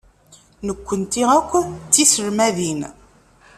Nekkenti akk d tiselmadin.